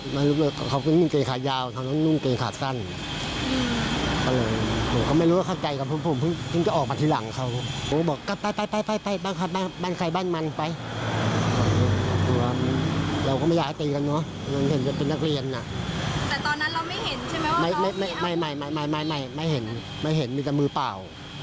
ไม่ไม่เห็นไม่เห็นมีแต่มือเปล่า